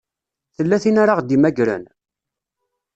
Tella tin ara ɣ-d-imagren?